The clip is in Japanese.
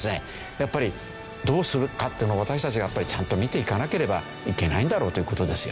やっぱりどうするかっていうのを私たちがやっぱりちゃんと見ていかなければいけないんだろうという事ですよね。